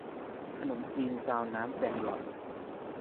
ขนมจีนซาวน้ำแจงลอน